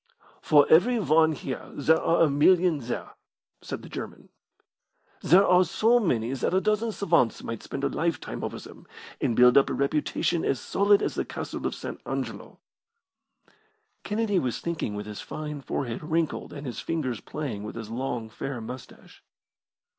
"For every one here there are a million there!" said the German. "There are so many that a dozen savants might spend a lifetime over them, and build up a reputation as solid as the Castle of St. Angelo." Kennedy was thinking with his fine forehead wrinkled and his fingers playing with his long, fair moustache.